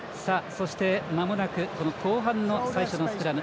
まもなく後半の最初のスクラム。